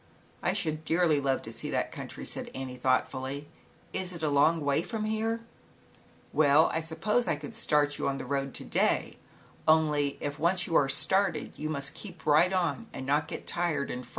"I should dearly love to see that country," said Annie, thoughtfully. "Is it a long way from here?" "Well, I suppose I could start you on the road to day, only if once you are started you must keep right on, and not get tired and frightened.